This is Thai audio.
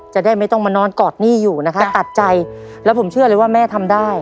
จะได้ไม่ต้องมานอนกอดหนี้อยู่นะคะตัดใจแล้วผมเชื่อเลยว่าแม่ทำได้